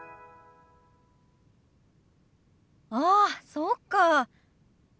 ああそうか。